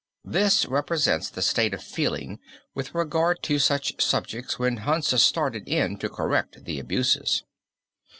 This represents the state of feeling with regard to such subjects when Hansa started in to correct the abuses.